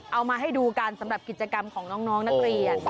เอามาให้ดูกันสำหรับกิจกรรมของน้องนักเรียน